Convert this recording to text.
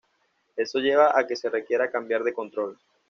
Eso lleva a que se requiera cambiar de control.